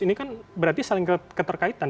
ini kan berarti saling keterkaitan